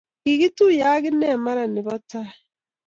kikituye ak inne mara ne bo taii.